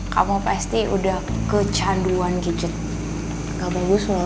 kamu pasti udah kecanduan gadget gak bagus loh